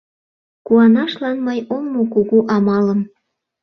Куанашлан мый ом му кугу амалым